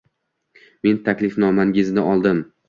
Men taklifnomangizni oldim.